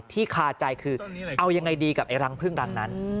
คาใจคือเอายังไงดีกับไอรังพึ่งรังนั้น